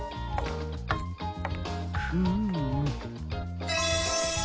フーム。